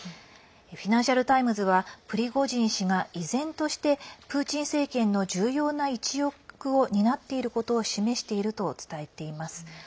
フィナンシャル・タイムズはプリゴジン氏が依然としてプーチン政権の重要な一翼を担っていることを示していると伝えています。